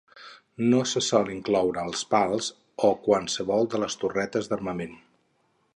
No se sol incloure els pals o qualsevol de les torretes d'armament.